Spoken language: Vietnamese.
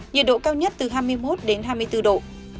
nhiệt độ cao nhất từ hai mươi một hai mươi bốn độ